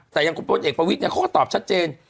อ่ะแต่อย่างคุณตัวเอกประวิทย์เนี่ยเขาก็ตอบชัดเจน